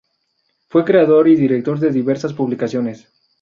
Fue creador y director de diversas publicaciones.